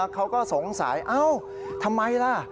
เขาก็สงสัยเอ้าทำไมล่ะ